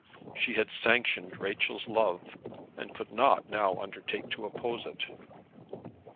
She had sanctioned Rachel's love, and could not now undertake to oppose it.